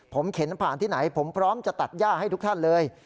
ผมเข็นผ่านที่ไหนผมพร้อมจะตัดย่าให้ทุกท่านเลย